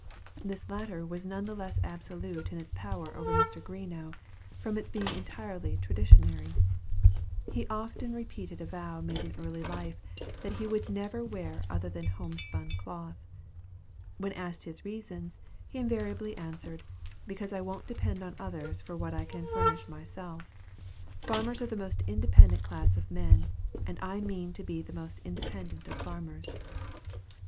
This latter was none the less absolute in its power over Mr. Greenough, from its being entirely traditionary. He often repeated a vow made in early life, that he would never wear other than "homespun" cloth. When asked his reasons, he invariably answered, "Because I won't depend on others for what I can furnish myself. Farmers are the most independent class of men; and I mean to be the most independent of farmers."